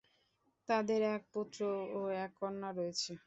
তাদের এক পুত্র ও এক কন্যা রয়েছে।